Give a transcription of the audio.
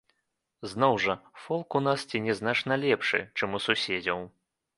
Зноў жа, фолк у нас ці не значна лепшы, чым у суседзяў!